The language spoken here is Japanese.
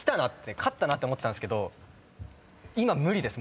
勝ったなと思ってたんですけど今無理です。